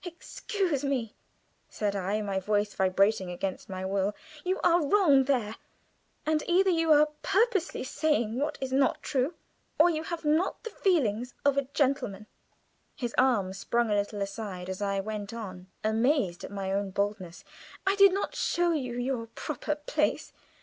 "Excuse me," said I, my voice vibrating against my will; "you are wrong there, and either you are purposely saying what is not true, or you have not the feelings of a gentleman." His arm sprung a little aside as I went on, amazed at my own boldness. "I did not show you your 'proper place.'